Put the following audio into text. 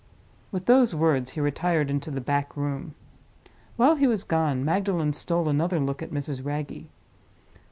With those words he retired into the back room. While he was gone, Magdalen stole another look at Mrs. Wragge.